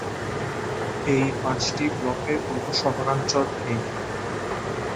এই পাঁচটি ব্লকে কোনো শহরাঞ্চল নেই।